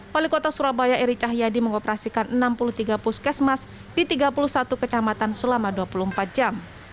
wali kota surabaya eri cahyadi mengoperasikan enam puluh tiga puskesmas di tiga puluh satu kecamatan selama dua puluh empat jam